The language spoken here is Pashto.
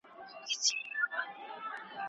آيا په پرونيو جګړو کي کليمې او روژې ماتېدې؟